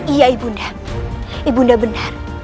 iya ibunda ibunda benar